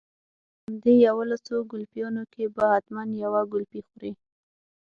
په همدې يوولسو ګلپيانو کې به حتما يوه ګلپۍ خورې.